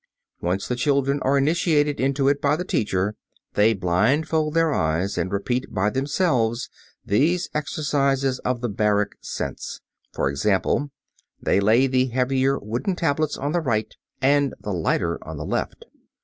Once the children are initiated into it by the teacher, they blindfold their eyes and repeat by themselves these exercises of the baric sense. For example, they lay the heavier wooden tablets on the right and the lighter on the left.